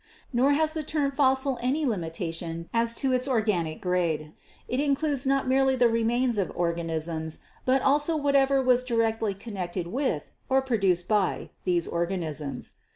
"Nor has the term fossil any limitation as to organic HISTORICAL GEOLOGY 197 grade. It includes not merely the remains of organisms, but also whatever was directly connected with or produced by these organisms.